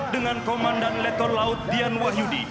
dengan komandan letkol laut dian wahyudi